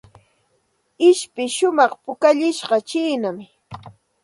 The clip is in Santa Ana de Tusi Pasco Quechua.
Ishpi shumaq pukallishqa chiinam.